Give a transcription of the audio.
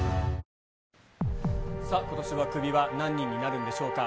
さあ、ことしはクビは何人になるんでしょうか。